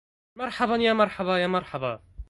مرحبا يا مرحبا يا مرحبا